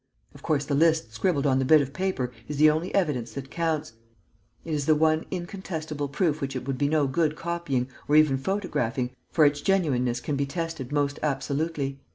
Of course, the list scribbled on the bit of paper is the only evidence that counts; it is the one incontestable proof which it would be no good copying or even photographing, for its genuineness can be tested most absolutely.